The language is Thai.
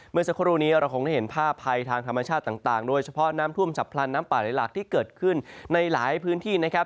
เมื่อสักครู่นี้เราคงได้เห็นภาพภัยทางธรรมชาติต่างโดยเฉพาะน้ำท่วมฉับพลันน้ำป่าไหลหลักที่เกิดขึ้นในหลายพื้นที่นะครับ